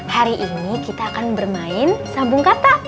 hari ini kita akan bermain sambung kata